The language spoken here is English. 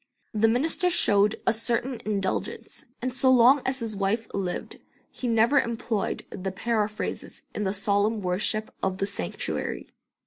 The minister showed a certain indulgence, and so long as his wife lived he never employed the paraphrases in the solemn worship of the sanctuary.